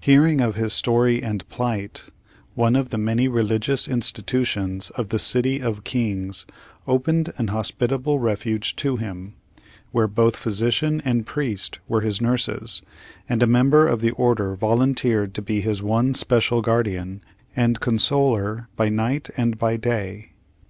Hearing of his story and plight, one of the many religious institutions of the City of Kings opened an hospitable refuge to him, where both physician and priest were his nurses, and a member of the order volunteered to be his one special guardian and consoler, by night and by day.